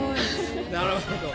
なるほど。